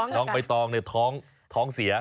น้องไปท้องเลยท้องเสีย